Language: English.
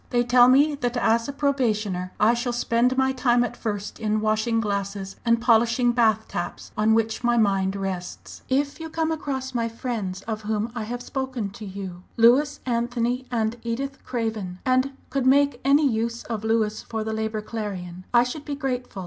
They tell me that as a probationer I shall spend my time at first in washing glasses, and polishing bath taps, on which my mind rests! "If you come across my friends of whom I have spoken to you Louis, Anthony, and Edith Craven and could make any use of Louis for the Labour Clarion, I should be grateful.